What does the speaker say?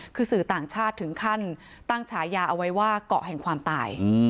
คือสื่อต่างชาติถึงขั้นตั้งฉายาเอาไว้ว่าเกาะแห่งความตาย